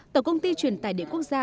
tổng công ty chuyển tài điện quốc gia